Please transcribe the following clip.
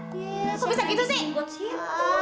kok bisa gitu sih